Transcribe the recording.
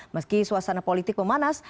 meski suasana politik memanas